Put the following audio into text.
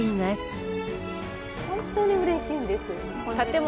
本当にうれしいんです。